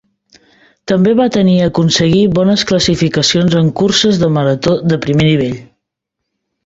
També va tenir aconseguir bones classificacions en curses de marató de primer nivell.